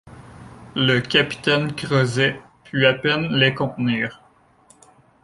Le capitaine Crozet put à peine les contenir.